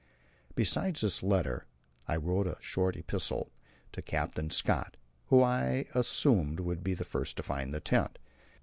Besides this letter, I wrote a short epistle to Captain Scott, who, I assumed, would be the first to find the tent.